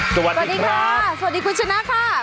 สวัสดีครับสวัสดีครับสวัสดีคุณชนะค่ะ